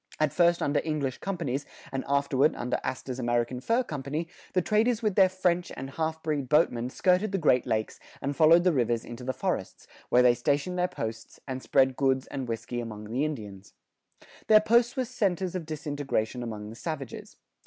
At first under English companies, and afterward under Astor's American Fur Company, the traders with their French and half breed boatmen skirted the Great Lakes and followed the rivers into the forests, where they stationed their posts and spread goods and whiskey among the Indians. Their posts were centers of disintegration among the savages.